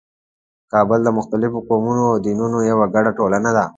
کابل د مختلفو قومونو او دینونو یوه ګډه ټولنه ده.